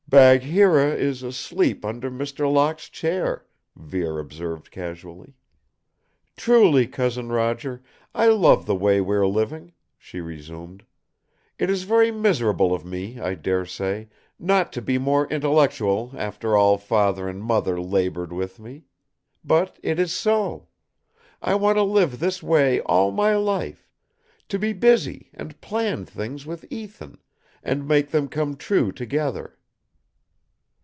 "Bagheera is asleep under Mr. Locke's chair," Vere observed casually. "Truly, Cousin Roger, I love the way we are living," she resumed. "It is very miserable of me, I daresay, not to be more intellectual after all Father and Mother labored with me. But it is so! I want to live this way all my life; to be busy, and plan things with Ethan, and make them come true together."